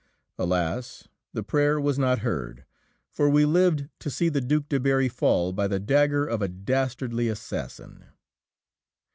Alas! the prayer was not heard, for we lived to see the Duke de Berri fall by the dagger of a dastardly assassin.